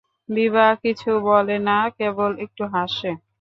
বিভা কিছু বলে না, কেবল একটু হাসে।